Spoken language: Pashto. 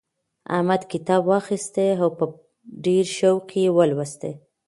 احمد کتاب واخیستی او په ډېر شوق یې ولوستی.